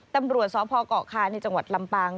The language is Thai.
ตำรวจสพเกาะคาในจังหวัดลำปาง